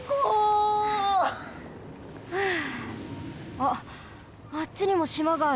あっあっちにもしまがある。